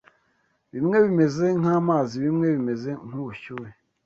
Bimwe bimeze nkamazi bimwe bimeze nkubushyuhe